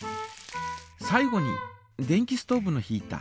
最後に電気ストーブのヒータ。